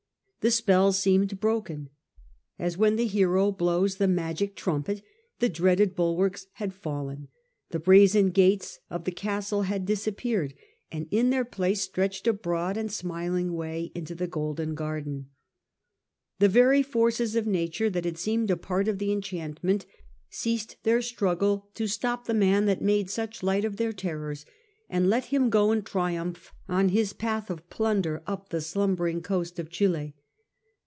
^ The spell seemed broken. As when the hero blows the magic trumpet, the dreaded bulwarks had fallen, the brazen gates of the castle had disappeared, and in their place stretched a broad and smiling way into the golden garden. The very forces of Nature that had seemed a part of the enchantment ceased their struggle to stop the man that made such light of their terrors, and let him go in triumph on his path of plunder up the slumbering coast of Chili.